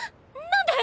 何で！？